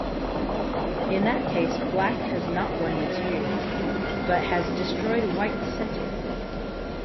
In that case, Black has not won material, but has destroyed White's center.